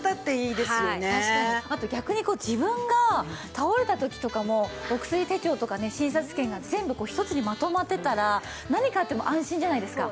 あと逆に自分が倒れた時とかもお薬手帳とかね診察券が全部１つにまとまってたら何かあっても安心じゃないですか。